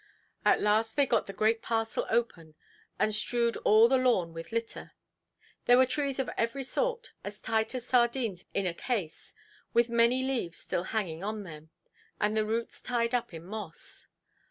At last they got the great parcel open, and strewed all the lawn with litter. There were trees of every sort, as tight as sardines in a case, with many leaves still hanging on them, and the roots tied up in moss.